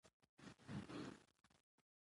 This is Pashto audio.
افغانستان د سلیمان غر پلوه اړیکې لري.